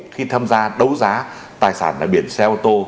khi tham gia đấu giá tài sản đại biển xe ô tô